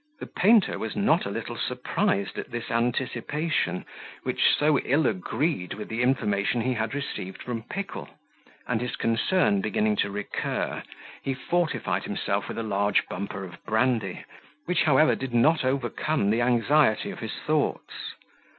The painter was not a little surprised at this anticipation, which so ill agreed with the information he had received from Pickle; and his concern beginning to recur, he fortified himself with a large bumper of brandy, which, however, did not overcome the anxiety of his thoughts.